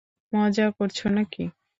মজা করছো নাকি!